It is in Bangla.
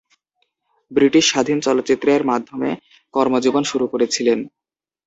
ব্রিটিশ স্বাধীন চলচ্চিত্রের মাধ্যমে কর্মজীবন শুরু করেছিলেন।